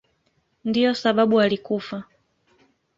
Ndiyo sababu alikufa.